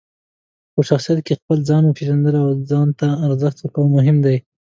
په شخصیت کې خپل ځان پېژندل او ځان ته ارزښت ورکول مهم دي.